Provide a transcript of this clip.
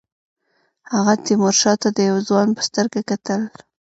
هغه تیمورشاه ته د یوه ځوان په سترګه کتل.